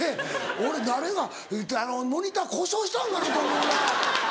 俺誰かモニター故障したんかな？と思いながら。